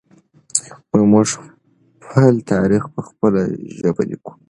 موږ خپل تاریخ په خپله ژبه لیکو.